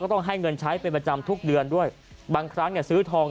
ต้องให้เงินใช้เป็นประจำทุกเดือนด้วยบางครั้งเนี่ยซื้อทอง